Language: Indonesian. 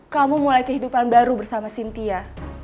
kamu mulai kehidupan baru bersama cynthia